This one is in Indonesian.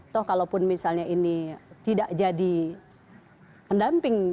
toh kalaupun misalnya ini tidak jadi pendamping